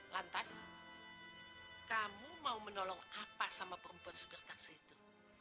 lantas kamu mau menolong apa sama perempuan supir taksi itu